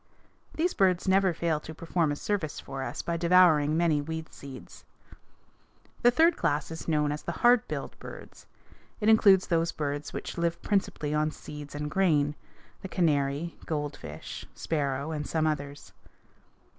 These birds never fail to perform a service for us by devouring many weed seeds. [Illustration: FIG. 280. A KINGBIRD] The third class is known as the hard billed birds. It includes those birds which live principally on seeds and grain the canary, goldfinch, sparrow, and some others.